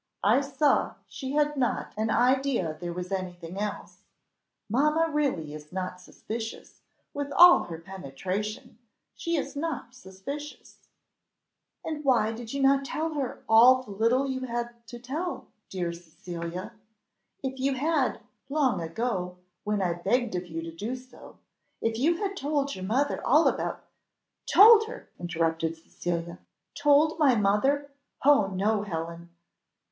I saw she had not an idea there was anything else. Mamma really is not suspicious, with all her penetration she is not suspicious." "And why did you not tell her all the little you had to tell, dear Cecilia? If you had, long ago, when I begged of you to do so if you had told your mother all about " "Told her!" interrupted Cecilia; "told my mother! oh no, Helen!"